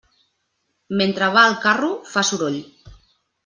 Mentre va el carro, fa soroll.